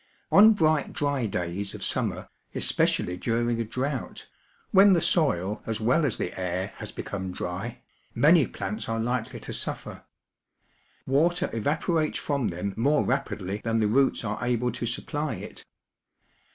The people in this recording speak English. On bright dry days of summer, especially during a drought, when the soil as well as the air has become dry, many plants are likely to suffer. Water evaporates from them more rapidly than the roots are able to supply it.